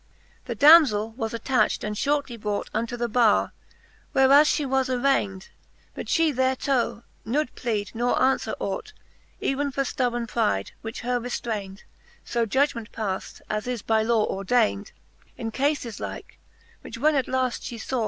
The damfell was attacht, and fliortly brought Unto the barre, whereas fhe was arrayned : But fhe thereto nould plead, nor anfwere ought Even for ftubborne pride, which her reftrayned. So judgement paft, as is by law ordayned In cafes like, which when at laft fhe faw.